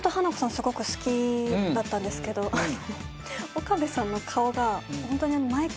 すごく好きだったんですけどあの岡部さんの顔がホントに毎回。